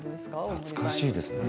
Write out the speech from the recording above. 懐かしいですね。